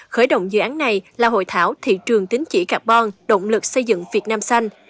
khởi động dự án này là hội thảo thị trường tính chỉ carbon động lực xây dựng việt nam xanh